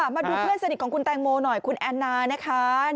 มาดูเพื่อนสนิทของคุณแตงโมหน่อยคุณแอนนานะคะ